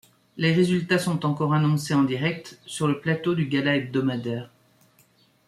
Les résultats sont encore annoncés en direct, sur le plateau du gala hebdomadaire.